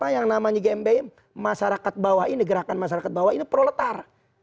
yang namanya gmbim masyarakat bawah ini gerakan masyarakat bawah ini proletar